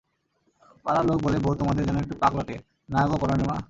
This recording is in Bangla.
পাড়ার লোক বলে, বৌ তোমাদের যেন একটু পাগলাটে, না গো পরাণের মা?